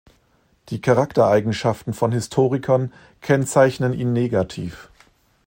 Die Charaktereigenschaften von Historikern kennzeichnen ihn negativ.